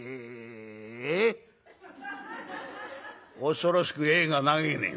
「恐ろしく『え』が長えね」。